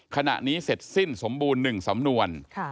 ขณะนี้เสร็จสิ้นสมบูรณ์๑สำนวน